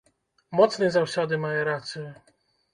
Моцны заўсёды мае рацыю.